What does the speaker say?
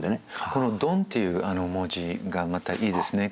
この「呑」っていう文字がまたいいですね。